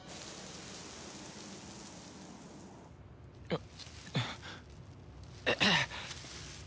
あっ。